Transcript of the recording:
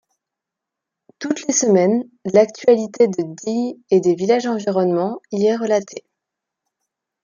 Toutes les semaines, l'actualité de Die et des villages environnant y est relatée.